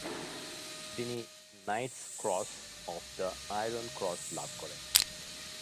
তিনি Knight's cross of the iron cross লাভ করেন।